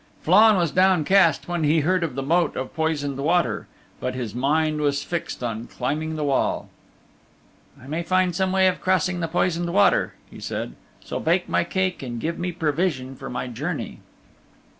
Flann was downcast when he heard of the Moat of Poisoned Water. But his mind was fixed on climbing the wall. "I may find some way of crossing the poisoned water," he said, "so bake my cake and give me provision for my journey."